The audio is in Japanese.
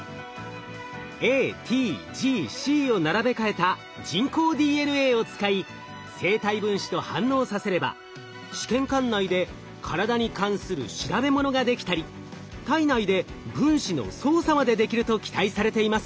ＡＴＧＣを並べ替えた人工ＤＮＡを使い生体分子と反応させれば試験管内で体に関する調べ物ができたり体内で分子の操作までできると期待されています。